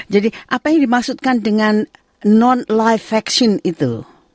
jadi apa yang dimaksudkan dengan non life vaksin itu